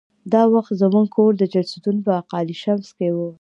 دا وخت زموږ کور د چهلستون په اقا علي شمس کې و.